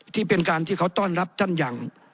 ที่เป็นการที่เขาต้อนรับท่านอย่าง